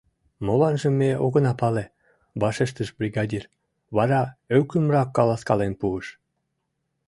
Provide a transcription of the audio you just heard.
— Моланжым ме огына пале, — вашештыш бригадир, вара ӧкымрак каласкален пуыш.